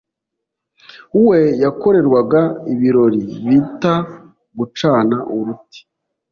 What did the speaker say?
we yakorerwaga ibirirori bita gucana uruti